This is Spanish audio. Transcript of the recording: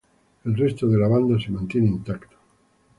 El resto de la banda se mantiene intacto.